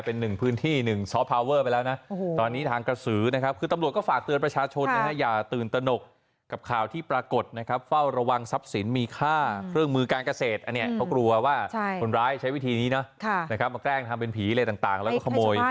พอพูดถึงกระสือเขาก็เฉยกันแล้วไอ้ลาเวนั่นมากเดี๋ยวก็หาว่ามันเป็นเรื่องสิ่งนี้